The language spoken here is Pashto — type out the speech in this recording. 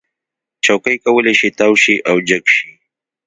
چوکۍ کولی شي تاو شي او جګ شي.